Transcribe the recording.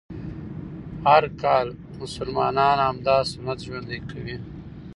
هر کال مسلمانان همدا سنت ژوندی کوي